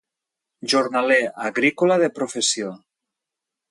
Jornaler agrícola de professió.